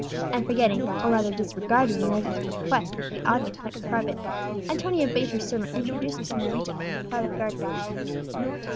And forgetting, or rather disregarding Inez's request that the audience might be private, Antonia bade her servant introduce the señorita into the crowded garden.